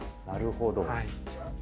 なるほど。